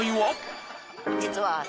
実は。